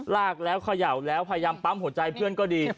ลากแล้วเขย่าแล้วพยายามปั๊มหัวใจเพื่อนก็ดี